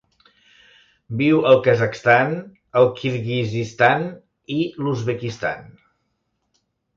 Viu al Kazakhstan, el Kirguizistan i l'Uzbekistan.